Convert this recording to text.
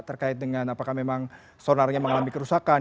terkait dengan apakah memang sonarnya mengalami kerusakan